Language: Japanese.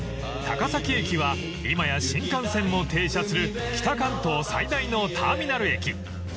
［高崎駅は今や新幹線も停車する北関東最大のターミナル駅］